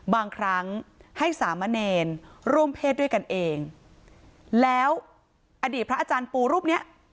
บางครั้งให้สามะเนรร่วมเพศด้วยกันเองแล้วอดีตพระอาจารย์ปูรูปเนี้ย